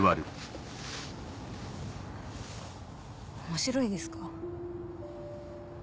面白いですか？